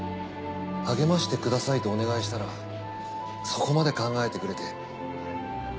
励ましてくださいとお願いしたらそこまで考えてくれて。